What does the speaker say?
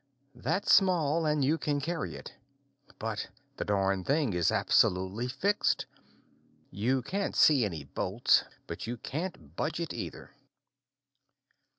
That's small and you can carry it. But the darned thing is absolutely fixed. You can't see any bolts, but you can't budge it, either.